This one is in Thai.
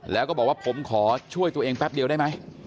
แล้วก็บอกว่าผมขอช่วยตัวเองแป๊บเดียวได้ไหม